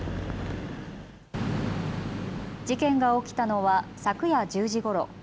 事件が起きたのは昨夜１０時ごろ。